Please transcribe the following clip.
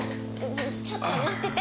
ちょっと待ってて。